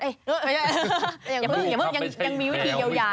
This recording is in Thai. อย่าเพิ่งอย่าเพิ่งยังมีวิธีเยาว์ยา